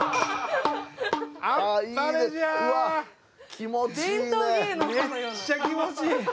気持ちいいね。